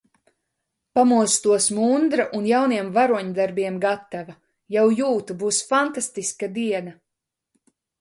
Pamostos mundra un jauniem varoņdarbiem gatava! Jau jūtu būs fantastiska diena!